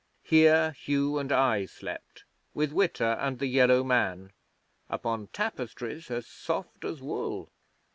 Here Hugh and I slept, with Witta and the Yellow Man, upon tapestries as soft as wool.